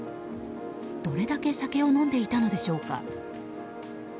どれだけ酒を飲んでいたのでしょうか。